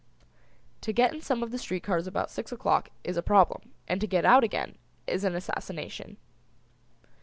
To get in some of the street cars about six o'clock is a problem, and to get out again is an assassination.